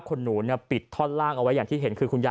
จนกระทั่งบ่าย๓โมงก็ไม่เห็นออกมา